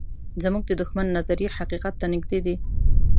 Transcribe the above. زموږ د دښمن نظریې حقیقت ته نږدې دي.